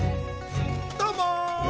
「どうもー！」